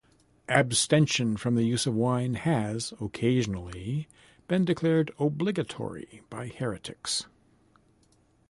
Abstention from the use of wine has, occasionally, been declared obligatory by heretics.